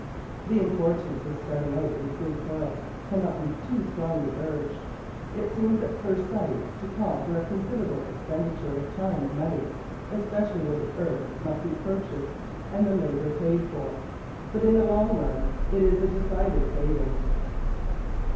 The importance of starting out with good soil cannot be too strongly urged. It seems at first sight to call for a considerable expendi ture of time and money— especially where the earth must be purchased and the labour paid for — but in the long run it is a decided saving.